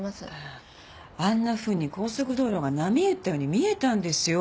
あんなふうに高速道路が波打ったように見えたんですよ